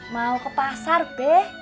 mau ke pasar be